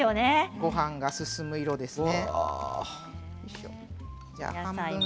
ごはんが進む色ですね。